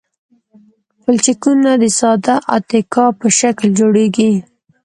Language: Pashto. پلچکونه د ساده اتکا په شکل جوړیږي